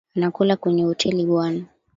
Anakula kwenye hoteli bwana!